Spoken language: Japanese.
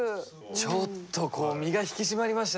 ちょっとこう身が引き締まりました。